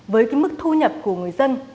với cái mức thu nhập của người dân